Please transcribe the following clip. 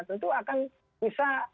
tentu akan bisa